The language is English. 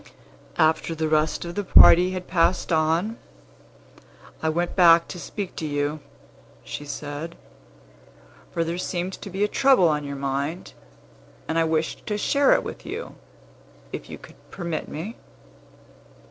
"After the rest of the party had passed on, I went back to speak to you," she said; "for there seemed to be a trouble on your mind, and I wished to share it with you, if you could permit me.